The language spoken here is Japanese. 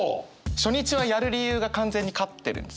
初日はやる理由が完全に勝ってるんですよね。